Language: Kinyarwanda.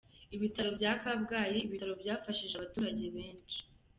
Ibitaro bya Kabgayi: Ibitaro byafashije abaturage benshi.